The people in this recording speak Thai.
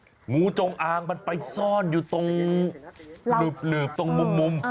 งูจงอางมันไปซ่อนอยู่ตรงหลืบตรงมุม